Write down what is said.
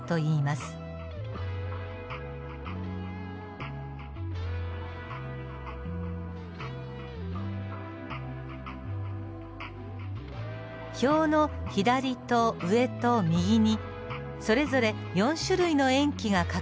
表の左と上と右にそれぞれ４種類の塩基が書かれてあります。